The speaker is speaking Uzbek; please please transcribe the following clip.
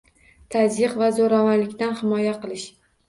Tazyiq va zo'ravonlikdan himoya qilish